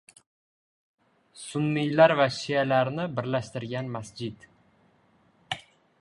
Sunniylar va shialarni birlashtirgan masjid